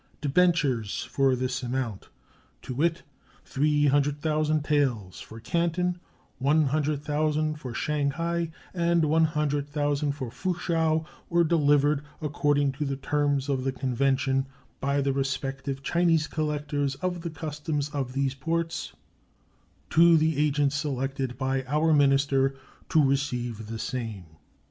Debentures for this amount, to wit, 300,000 taels for Canton, 100,000 for Shanghai, and 100,000 for Fuchau, were delivered, according to the terms of the convention, by the respective Chinese collectors of the customs of these ports to the agent selected by our minister to receive the same.